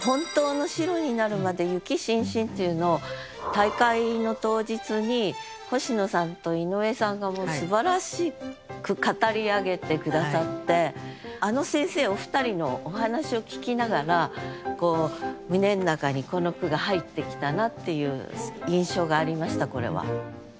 大会の当日に星野さんと井上さんがすばらしく語り上げて下さってあの先生お二人のお話を聞きながら胸の中にこの句が入ってきたなっていう印象がありましたこれは。